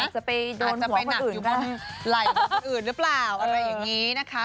อาจจะไปโดนหัวคนอื่นก็อาจจะไปหนักอยู่บนไหล่คนอื่นหรือเปล่าอะไรอย่างนี้นะคะ